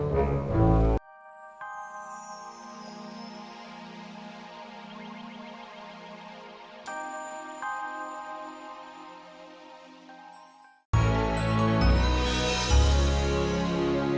jadi rich mas